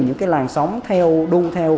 những cái làn sóng đuôn theo